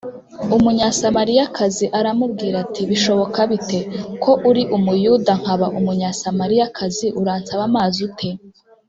, “Umunyasamariyakazi aramubwira ati: ” Bishoboka bite,... Ko uri Umuyuda nkaba Umunyasamariyakazi, uransaba amazi ute?”